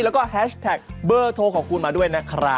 แล้วก็แฮชแท็กเบอร์โทรของคุณมาด้วยนะครับ